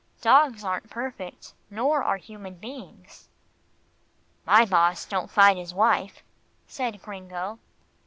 Dogs aren't perfect, nor are human beings." "My boss don't fight his wife," said Gringo.